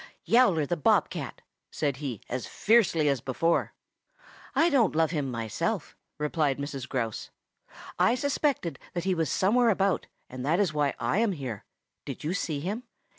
"Yowler the Bob cat," said he as fiercely as before. "I don't love him myself," replied Mrs. Grouse. "I suspected that he was somewhere about, and that is why I am here. Did you see him?"